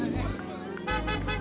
araoh turutir disoal